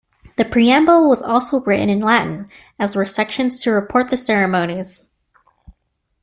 The preamble was also written in Latin, as were sections to report the ceremonies.